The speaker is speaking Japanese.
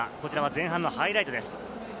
前半のハイライトです。